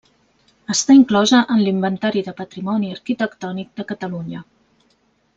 Està inclosa en l'Inventari del Patrimoni Arquitectònic de Catalunya.